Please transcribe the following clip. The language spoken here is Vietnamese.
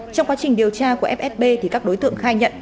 trong quá trình điều tra của fsb thì các đối tượng khai nhận